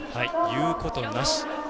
言うことなし。